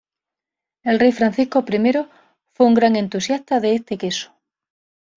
El rey Francisco I fue un gran entusiasta de este queso.